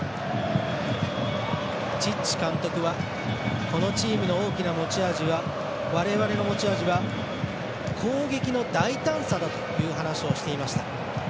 チッチ監督はこのチームの大きな持ち味は我々の持ち味は攻撃の大胆さだという話をしていました。